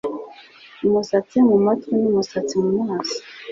umusatsi mu matwi n'umusatsi mu maso